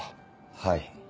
はい。